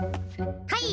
はい！